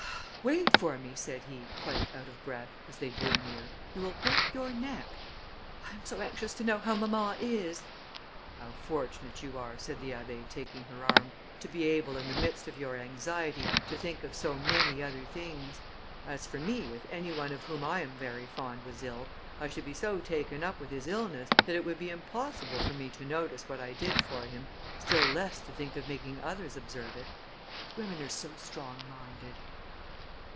"Wait for me," said he, quite out of breath, as they drew near, "you will break your neck." "I am so anxious to know how mamma is!" "How fortunate you are," said the Abbé, taking her arm, "to be able in the midst of your anxiety, to think of so many other things! As for me, if any one of whom I am very fond was ill, I should be so taken up with his illness, that it would be impossible for me to notice what I did for him, still less to think of making others observe it; but women are so strong minded."